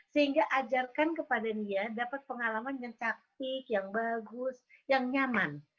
sehingga ajarkan kepada dia dapat pengalaman yang cantik yang bagus yang nyaman